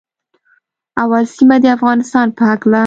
اول سیمه د افغانستان په هکله